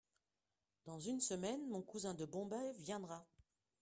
Dans une semaine mon cousin de Bombay viendra.